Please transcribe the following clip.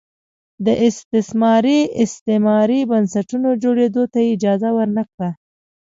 د استثماري استعماري بنسټونو جوړېدو ته یې اجازه ور نه کړه.